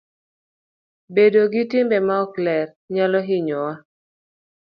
Bedo gi timbe maok ler nyalo hinyowa.